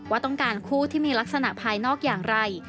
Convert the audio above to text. ว่าต้องการคู่ที่มีลักษณะภายนอกอย่างไร